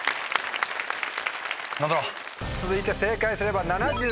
続いて正解すれば。